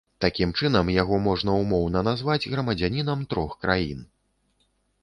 Такім чынам, яго можна ўмоўна назваць грамадзянінам трох краін.